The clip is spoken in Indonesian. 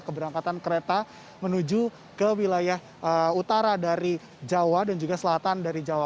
keberangkatan kereta menuju ke wilayah utara dari jawa dan juga selatan dari jawa